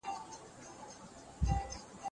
د څاه اوبه د ژمي په موسم کې ډېرې سړې وي.